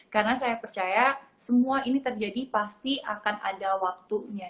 karena saya percaya semua ini terjadi pasti akan ada waktunya